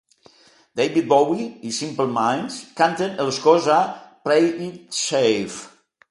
David Bowie i Simple Minds canten els cors a "Play It Safe".